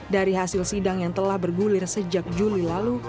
dari hasil sidang yang telah bergulir sejak juli lalu